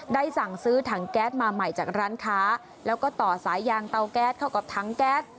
สั่งซื้อถังแก๊สมาใหม่จากร้านค้าแล้วก็ต่อสายยางเตาแก๊สเข้ากับถังแก๊ส